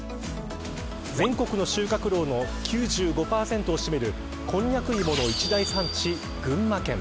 全国の収穫量の９５％を占めるコンニャクイモの一大産地群馬県。